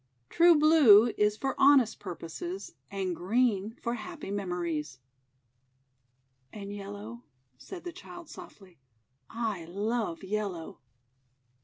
True Blue is for Honest Purposes, and Green for Happy Memo ries.' ;<And Yellow?' said the Child softly. 'I love Yellow!'